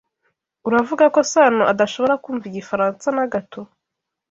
Uravuga ko Sano adashobora kumva igifaransa na gato?